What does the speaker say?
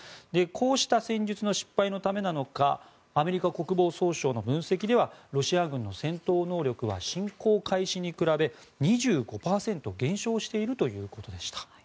こうした戦術の失敗のためなのかアメリカ国防総省の分析ではロシア軍の戦闘能力は侵攻開始に比べ２５％減少しているということでした。